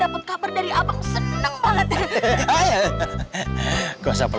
dapat kabar dari abang senang banget